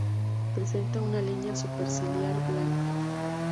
Presenta una línea superciliar blanca.